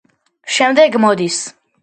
შემდეგ მოდის.